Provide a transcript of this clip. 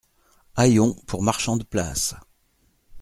Hayons pour marchands de place.